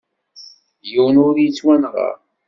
Yiwen ur yettwanɣa.